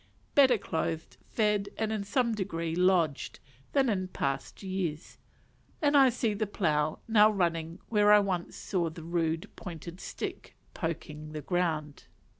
_, better clothed, fed, and in some degree lodged, than in past years; and I see the plough now running where I once saw the rude pointed stick poking the ground.